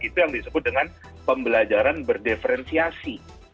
itu yang disebut dengan pembelajaran berdiferensiasi